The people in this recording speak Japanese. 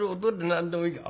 何でもいいから」。